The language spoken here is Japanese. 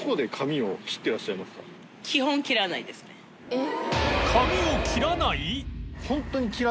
えっ？